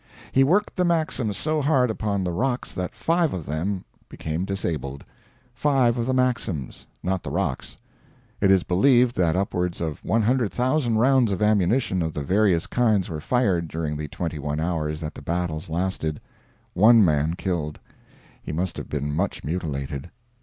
He worked the Maxims so hard upon the rocks that five of them became disabled five of the Maxims, not the rocks. It is believed that upwards of 100,000 rounds of ammunition of the various kinds were fired during the 21 hours that the battles lasted. One man killed. He must have been much mutilated.